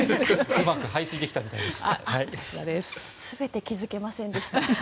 うまく排水できたみたいです。